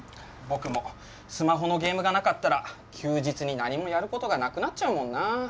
僕もスマホのゲームがなかったら休日に何もやることがなくなっちゃうもんな。